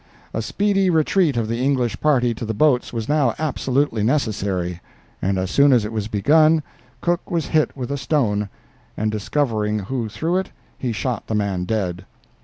A speedy retreat of the English party to the boats was now absolutely necessary; as soon as it was begun Cook was hit with a stone, and discovering who threw it, he shot the man dead.